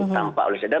sampai oleh saya